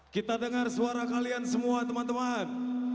kita dengar suara kalian semua teman teman